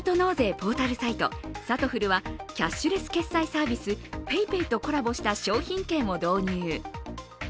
ポータルサイトさとふるはキャッシュレス決済サービスＰａｙＰａｙとコラボした商品券を導入。